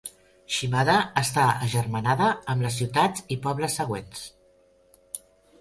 Shimada està agermanada amb les ciutats i pobles següents.